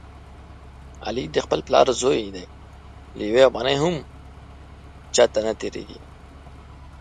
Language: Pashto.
علي د خپل پلار زوی دی، له یوې افغانۍ نه هم چاته نه تېرېږي.